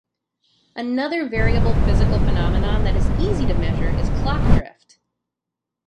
Another variable physical phenomenon that is easy to measure is clock drift.